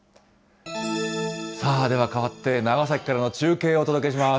さあ、ではかわって、長崎からの中継をお届けします。